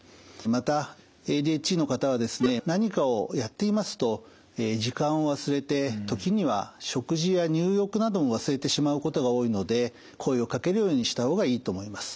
またＡＤＨＤの方はですね何かをやっていますと時間を忘れて時には食事や入浴なども忘れてしまうことが多いので声をかけるようにした方がいいと思います。